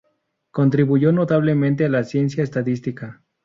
Contribuyó notablemente a la ciencia estadística.